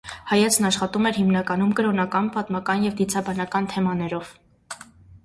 Հայեցն աշխատում էր հիմնականում կրոնական, պատմական և դիցաբանական թեմաներով։